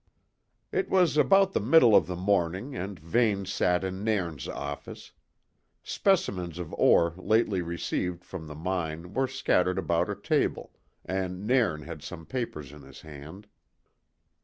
It was about the middle of the morning and Vane sat in Nairn's office. Specimens of ore lately received from the mine were scattered about a table, and Nairn had some papers in his hand.